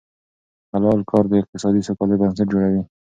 حلال کار د اقتصادي سوکالۍ بنسټ جوړوي.